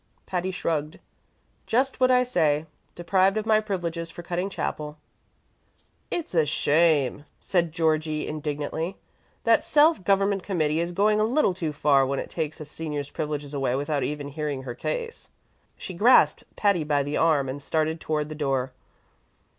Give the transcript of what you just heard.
Patty shrugged. "Just what I say: deprived of my privileges for cutting chapel." "It's a shame!" said Georgie, indignantly. "That Self Government Committee is going a little too far when it takes a senior's privileges away without even hearing her case." She grasped Patty by the arm and started toward the door.